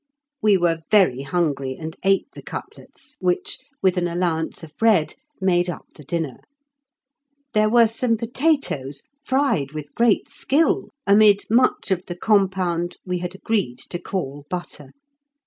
We were very hungry and ate the cutlets, which, with an allowance of bread, made up the dinner. There were some potatoes, fried with great skill, amid much of the compound we had agreed to call butter.